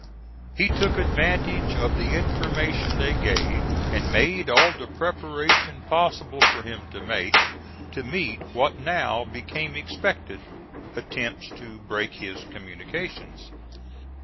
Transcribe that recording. He took advantage of the information they gave, and made all the preparation possible for him to make to meet what now became expected, attempts to break his communications.